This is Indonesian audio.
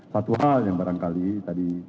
satu hal yang barangkali tadi